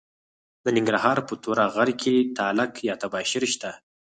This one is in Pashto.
د ننګرهار په تور غره کې تالک یا تباشیر شته.